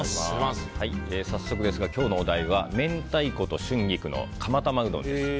早速ですが今日のお題は明太子と春菊の釜玉うどんです。